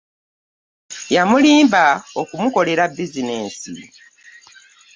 Yamulimba okumukolera bizinensi.